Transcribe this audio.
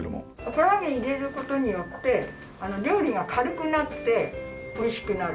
コラーゲン入れる事によって料理が軽くなって美味しくなる。